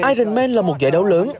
ironman là một giải đấu lớn